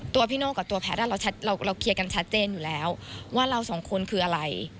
พี่โน่กับตัวแพทย์เราเคลียร์กันชัดเจนอยู่แล้วว่าเราสองคนคืออะไร